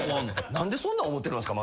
何でそんな思うてるんすか！？